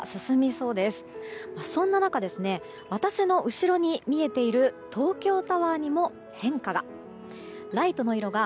そんな中、私の後ろに見えている東京タワーにも変化が。